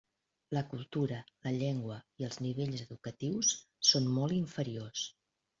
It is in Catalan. La cultura, la llengua i els nivells educatius són molt inferiors.